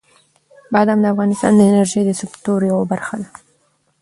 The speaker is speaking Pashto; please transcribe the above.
بادام د افغانستان د انرژۍ د سکتور یوه برخه ده.